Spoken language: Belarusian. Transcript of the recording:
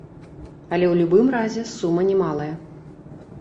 Але ў любым разе сума не малая.